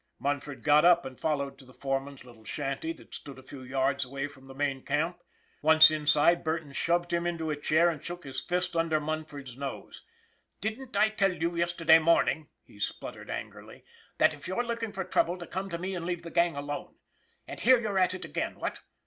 Munford got up and followed to the foreman's little shanty that stood a few yards away from the main camp. Once inside, Burton shoved him into a chair and shook his fist under Munford's nose. " Didn't I tell you yesterday morning," he splut tered angrily, " that if you were looking for trouble to come to me and leave the gang alone? And here you're at it again, what?